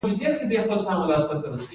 شهرک ولسوالۍ تاریخي ده؟